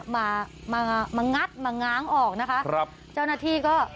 มามางัดมาง้างออกนะคะครับเจ้าหน้าที่ก็